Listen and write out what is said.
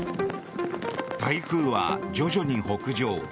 台風は徐々に北上。